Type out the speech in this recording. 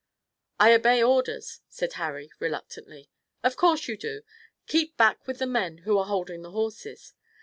"I obey orders," said Harry reluctantly. "Of course you do. Keep back with the men who are holding the horses.